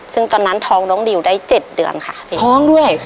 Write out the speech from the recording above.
ซึ่งตอนนั้นท้องน้องดิวได้๗เดือนค่ะท้องด้วย